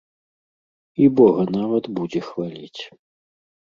І бога нават будзеце хваліць.